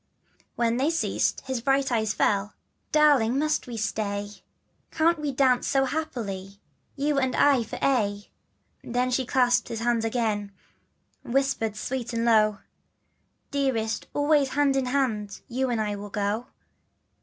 When they ceased his bright eyes fell, Darling must we stay? Can't we dance so happily You and I for aye ? Then she clasped his hand again, Whispered sweet and low, " Dearest, always hand in hand You and I will go.